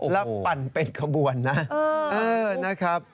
แล้วปั่นเป็นขบวนนะ